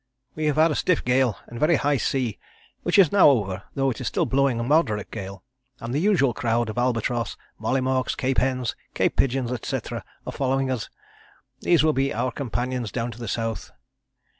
We have had a stiff gale and a very high sea, which is now over, though it is still blowing a moderate gale, and the usual crowd of Albatross, Mollymawks, Cape Hens, Cape Pigeons, etc., are following us. These will be our companions down to the South.